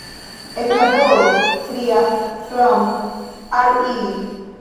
Eklaboru! krias Klomp al ili.